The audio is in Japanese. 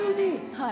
はい。